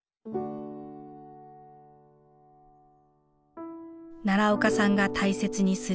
奈良岡さんが大切にする一枚。